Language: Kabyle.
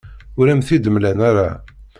Ur am-t-id-mlan ara.